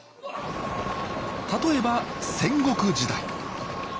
例えば戦国時代。